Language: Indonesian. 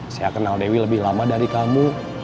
saya kenal dewi lebih lama dari kamu